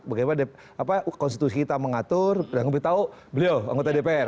bagaimana konstitusi kita mengatur dan lebih tahu beliau anggota dpr